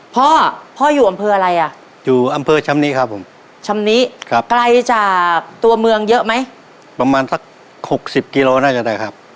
พ่อพ่ออยู่อำเภออะไรอ่ะอยู่อำเภอชำนี้ครับผมชำนี้ครับไกลจากตัวเมืองเยอะไหมประมาณสักหกสิบกิโลน่าจะได้ครับ